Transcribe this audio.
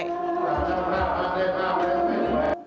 เป็นทางที่มีเรื่องไว้